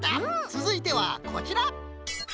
つづいてはこちら！